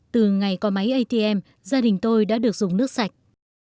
từ ngày có máy atm gia đình tôi đã được dùng nước sạch